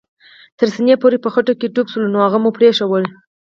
تر سېنې پورې په خټو کې ډوب شول، نو هغوی مو پرېښوول.